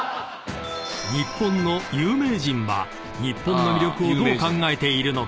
［日本の有名人は日本の魅力をどう考えているのか？］